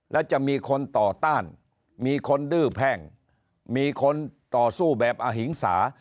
และจะมีคนต่อต้านมีคนดื้อแพ่งมีคนต่อสู้แบบอหิงสา